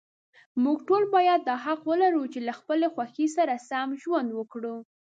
موږ ټول باید دا حق ولرو، چې له خپلې خوښې سره سم ژوند وکړو.